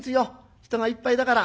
人がいっぱいだから。